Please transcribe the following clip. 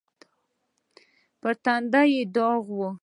پر تندي يې داغ و.